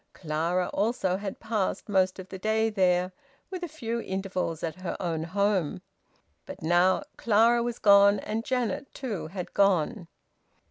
Clara also had passed most of the day there, with a few intervals at her own home; but now Clara was gone, and Janet too had gone.